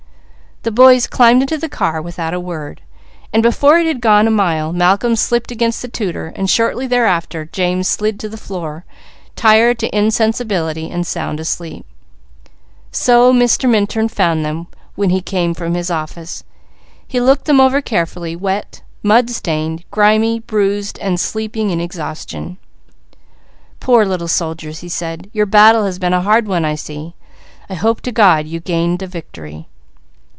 The boys climbed into the car without a word, and before it had gone a mile Malcolm slipped against the tutor and shortly thereafter James slid to the floor, tired to insensibility and sound asleep. So Mr. Minturn found them when he came from his office. He looked them over carefully, wet, mud stained, grimy, bruised and sleeping in exhaustion. "Poor little soldiers," he said. "Your battle has been a hard one I see. I hope to God you gained a victory."